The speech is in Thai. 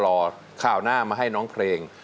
ข่าวหน้ามาให้น้องเพลง